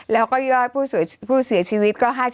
และก็ย่อผู้เสียชีวิต